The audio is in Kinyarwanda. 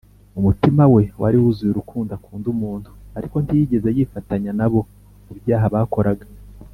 umutima we wari wuzuye urukundo akunda umuntu, ariko ntiyigeze yifatanya na bo mu byaha bakoraga